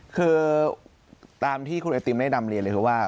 คือตามที่คุณไอติมได้นำเรียนเลยคือว่า